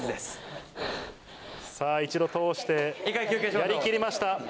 さぁ一度通してやりきりました。